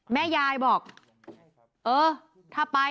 แม่ยายบอกเออถ้าไป